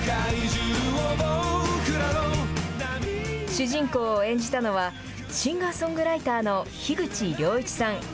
主人公を演じたのはシンガーソングライターの樋口了一さん。